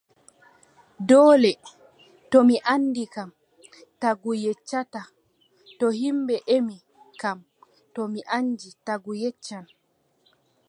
Doole to mi anndi kam, tagu yeccata, to ƴimɓe ƴemi kam to mi anndi, tagu yeccan.